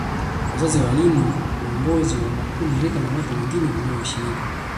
Wazazi waalimu viongizi wa makundi rika na watu wengine wanaoheshimika